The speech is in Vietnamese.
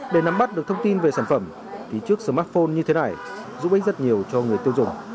để nắm bắt được thông tin về sản phẩm thì chiếc smartphone như thế này giúp ích rất nhiều cho người tiêu dùng